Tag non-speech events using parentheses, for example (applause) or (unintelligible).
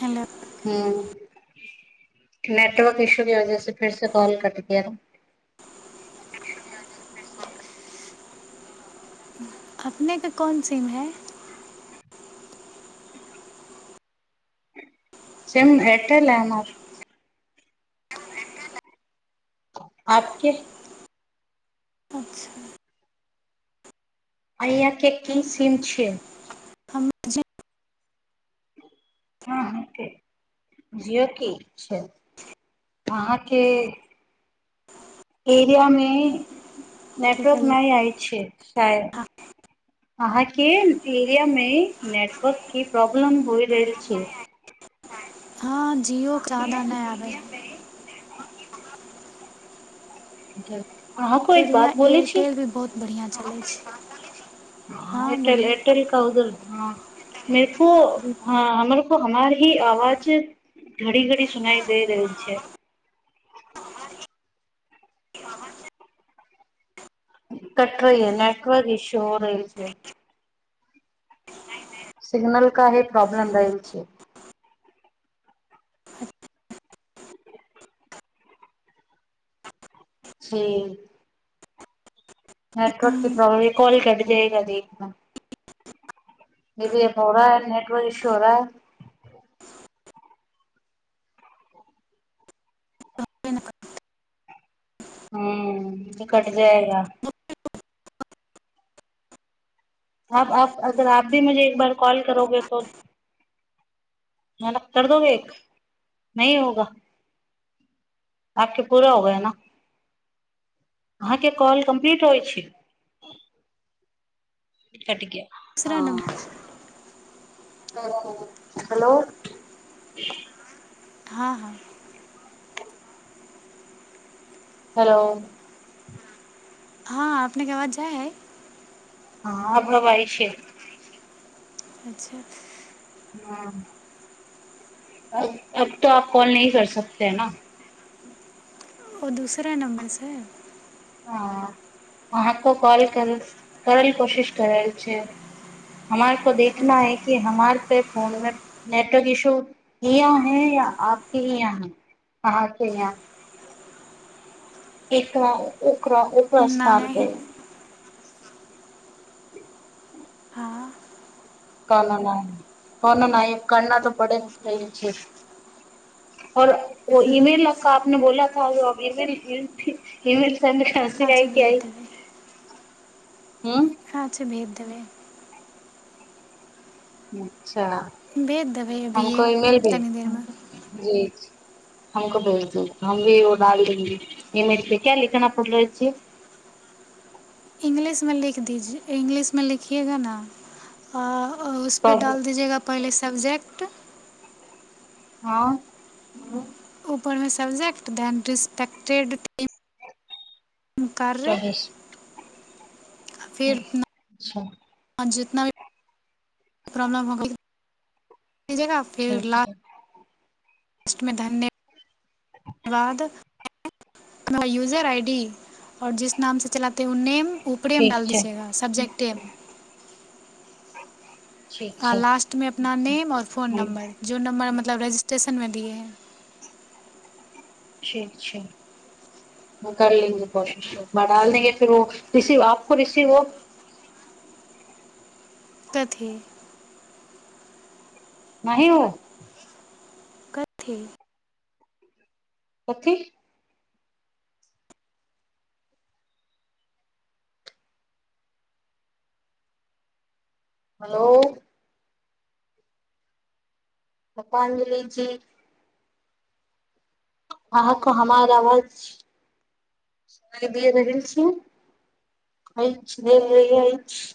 Hello हँ network issue के वजह से फिर से कॉल कट गया। अपने के कोन सीम है? सेम भेटै लेना। आपके अच्छा अइय के की सीन छैय। हमे जे ह अहाँके जियौ की छैय अहाँके एरियामे की नेटवर्क कहलियै नहि आय छैय शायद। हँ अहाँके एरियामे नेटवर्कके प्रॉब्लम होइ रहल छैय। हँ जिओ (unintelligible) नहि बै ज फेर इह एयरटेेल भी बहुत बढ़िया (unintelligible) एयरटेेल एयरटेेल का उधर हँ मेरे को ह हमर (unintelligible) आवाज घड़ी घड़ी सुनाई दै रहलै छैय। कट रही है नेटवर्क इसु हो रहल छैय। सिग्नल का ही प्रॉब्लम रहैल छैय। छी नेटवर्क क हूँ, प्रॉब्लम कॉल कट जा एक ईी हो रहा ह नेटवर्क इशू हो रहा है (unintelligible) हुँ कट जाएगा आप आप अगर आप भी मुझे एक बार कॉल करोगे तो कर दोगे एक न होगा आपके पूरा होगा न अहाँके कॉल कम्प्लीट होइ छै कट गया दूसरा हाँ नम्बर हेलो हँ हँ हेलो हँ अपने के अबाज जाय हैय हँ आब आबैय छै अच्छा हाँ अब तो आप कॉल नहीं कर सकते है न ओ दूसरे नम्बरसँ हँ अहाँ को कॉल कर करल कोशिश कर रहल छै हमार को देखना है कि हमार पे फोन मे नेटवर्क इशू य य है या आपके ही यहाँ है अहाँके यहाँ एक ना प्रस्थान नहि पे (unintelligible) हँ कहना न कहनो न करना तऽ पड़े छैओर ओ ईमेलपने बोलाेल खस आइ अच्छा क आइ हँ अच्छा भेज दबैय हुँ अच्छा भेज देबै अभिये हमको ईमेल भे तनी देरमे भेजी हमको भेज दो हम भी ओडालेंगे इमे क्या लिखना पढ़ रहले छियै इंग्लिशमें लिख दी इंग्लिशमे लिखिएगा न उसपे तब डाल दीजएगा पहिलेसँ सबबजक्ट हँ ऊपरमे सब्जेक्ट दैन रिस्पेक्टेड थ उकारकारे प्रवेश फेर अच्छा आ जितना भी प्रॉब्लम हो गेल जगह फेर ठीक लाल छै ट धन्यवाद धन्यवाद यूजर आई डी आर जिस नाम से चलाता तऽ उन्नेम ऊपरेमे ठीक डाल छै दिजीयएगा सबजेक्ट टेम ठीक आ छै लास्ट मे अपना नेम और फोन हूँ नंबर जो नम्बर मतब मतलब रजिस्ट्रेशनमे दियए है ठीक छै कर लेंगी कोशिश बडाल देंगे फेर ओ रसीव आपको रसीव हो कथी नहि ओ कथिे कथी हेलो पुष्पांजलि जी अहाँके हमार आवाज सुना दे रहल छी अछि अछि